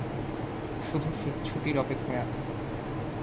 শুধু ছুটির অপেক্ষায় আছি।